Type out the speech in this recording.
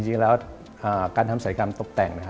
จริงแล้วการทำศัยกรรมตบแต่งนะครับ